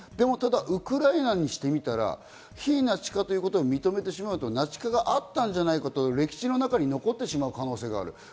ただウクライナにしてみたら、非ナチ化ということを認めてしまうと、ナチ化があったんじゃないかという歴史の中に残ってしまう可能性がある。